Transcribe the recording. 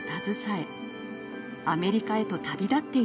アメリカへと旅立っていったのです。